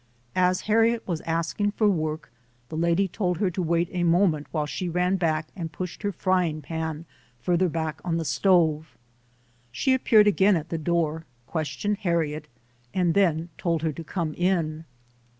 As Harriet was asking for work, the lady told her to wait a moment while she ran back and pushed her frying pan further back on the stove. She appeared again at the door, questioned Har riet and then told her to come in.